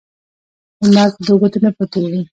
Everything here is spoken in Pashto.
لمر په دوو ګوتو نه پوټیږی.